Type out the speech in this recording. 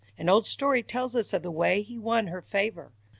An old story tells us of the way he won her favour.